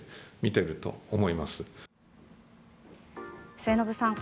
末延さん